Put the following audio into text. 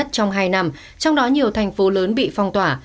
trong đó nhiều thành phố lớn bị phong tỏa